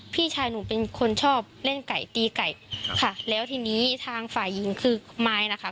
พี่ชายหนูเป็นคนชอบเล่นไก่ตีไก่ค่ะแล้วทีนี้ทางฝ่ายหญิงคือมายนะคะ